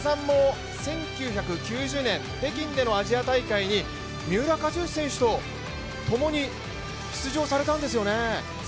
福田さんも１９９０年、北京でのアジア大会に三浦知良選手とともに出場されたんですよね。